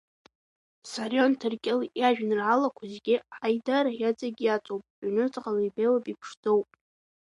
Сарион Ҭаркьыл иажәеинраалақәа зегьы аидара иаҵақь иаҵоуп, ҩнуҵҟала ибеиоуп, иԥшӡоуп.